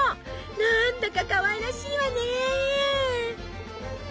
何だかかわいらしいわね。